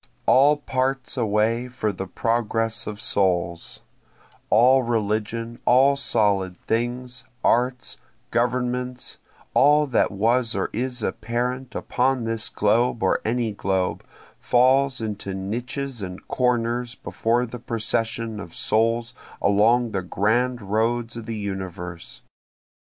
All parts away for the progress of souls, All religion, all solid things, arts, governments all that was or is apparent upon this globe or any globe, falls into niches and corners before the procession of souls along the grand roads of the universe.